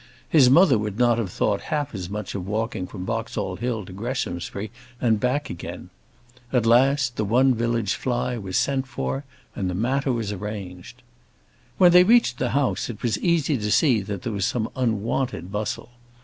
His mother would not have thought half as much of walking from Boxall Hill to Greshamsbury and back again. At last, the one village fly was sent for, and the matter was arranged. When they reached the house, it was easy to see that there was some unwonted bustle.